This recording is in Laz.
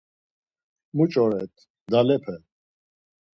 Muç̌o ret dalepe?